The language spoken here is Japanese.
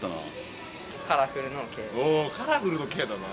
おカラフルの「Ｋ」だな。